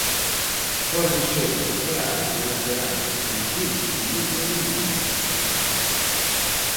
Fóra de xogo claro do lateral que o xuíz de liña non viu.